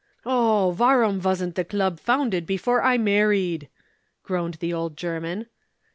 "Oh, warum wasn't the Club founded before I married?" groaned the old German.